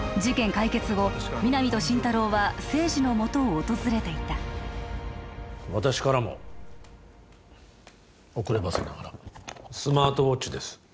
解決後皆実と心太朗は清二のもとを訪れていた私からも遅ればせながらスマートウォッチです